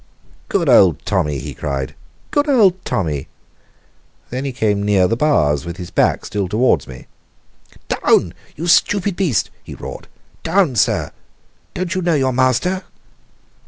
"Good old Tommy!" he cried. "Good old Tommy!" Then he came near the bars, with his back still towards me. "Down, you stupid beast!" he roared. "Down, sir! Don't you know your master?"